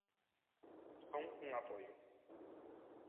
Son un apoio.